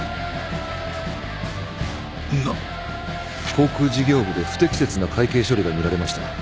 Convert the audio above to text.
航空事業部で不適切な会計処理が見られました。